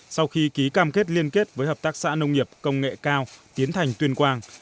sau khi ký cam kết liên kết với hợp tác xã nông nghiệp công nghệ cao tiến thành tuyên quang